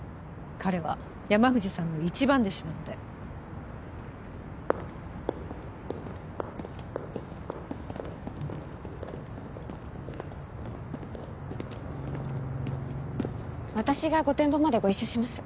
彼は山藤さんの一番弟子なので私が御殿場までご一緒します